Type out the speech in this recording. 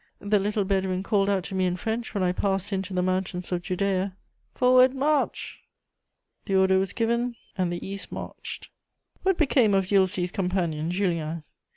The little Bedouin called out to me in French, when I passed into the mountains of Judæa: "Forward, march!" The order was given, and the East marched. * [Sidenote: MEMENTO MORI.] What became of Ulysses' companion, Julien?